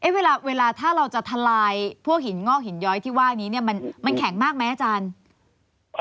เวลาถ้าเราจะทลายพวกหินงอกหินย้อยที่ว่านี้เนี่ยมันแข็งมากไหมอาจารย์